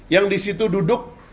yang di situ duduk